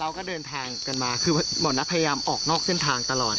ก็เดินทางกันมาคือหมอนัทพยายามออกนอกเส้นทางตลอด